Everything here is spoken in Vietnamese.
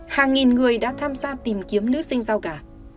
hàng nghìn người đã tham gia tìm kiếm nữ sinh giao gà